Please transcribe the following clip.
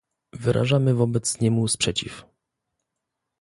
Wyrażamy wobec niemu sprzeciw